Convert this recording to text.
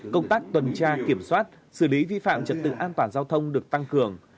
công tác tuần tra kiểm soát xử lý vi phạm trật tự an toàn giao thông được tăng cường